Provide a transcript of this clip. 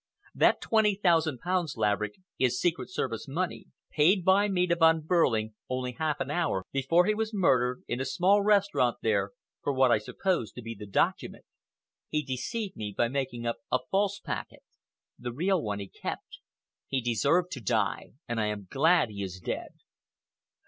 That twenty thousand pounds, Laverick, is Secret Service money, paid by me to Von Behrling only half an hour before he was murdered, in a small restaurant there, for what I supposed to be the document. He deceived me by making up a false packet. The real one he kept. He deserved to die, and I am glad he is dead."